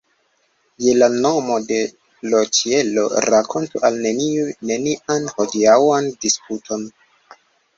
Je la nomo de l' ĉielo, rakontu al neniu nian hodiaŭan disputon!